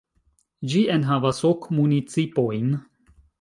Ĝi enhavas ok municipojn.